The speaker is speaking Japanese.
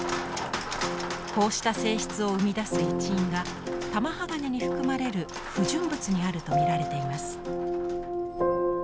こうした性質を生み出す一因が玉鋼に含まれる不純物にあると見られています。